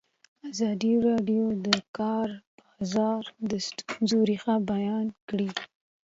ازادي راډیو د د کار بازار د ستونزو رېښه بیان کړې.